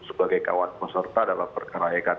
sebagai kawan peserta dalam perkara ektp